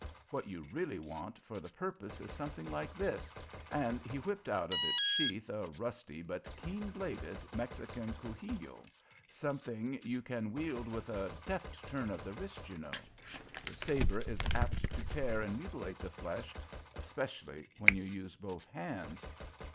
What you really want for the purpose is something like this," and he whipped out of its sheath a rusty but keen bladed Mexican cuchillo, "something you can wield with a deft turn of the wrist, you know. The sabre is apt to tear and mutilate the flesh, especially when you use both hands."